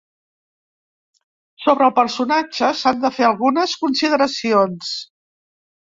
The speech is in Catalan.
Sobre el personatge, s'han de fer algunes consideracions.